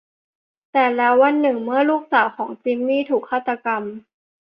แต่แล้ววันหนึ่งเมื่อลูกสาวของ จิมมี่ ถูกฆาตกรรม